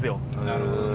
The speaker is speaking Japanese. なるほどね。